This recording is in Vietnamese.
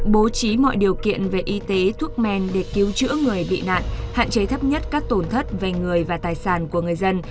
bố trí mọi điều kiện về y tế thuốc men để cứu chữa người bị nạn hạn chế thấp nhất các tổn thất về người và tài sản của người dân